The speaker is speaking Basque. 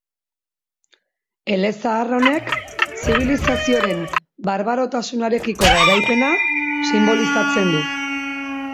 Elezahar honek, zibilizazioaren barbarotasunarekiko garaipena sinbolizatzen du.